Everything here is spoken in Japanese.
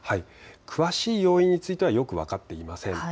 詳しい要因についてはよく分かっていません。